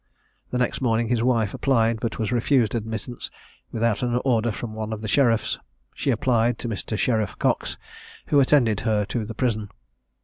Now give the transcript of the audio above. The next morning his wife applied, but was refused admittance without an order from one of the sheriffs. She applied to Mr. Sheriff Cox, who attended her to the prison.